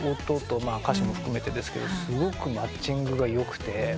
歌詞も含めてですけどすごくマッチングがよくて。